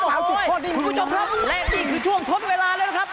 โอ้โหคุณผู้ชมครับและนี่คือช่วงทดเวลาเลยนะครับ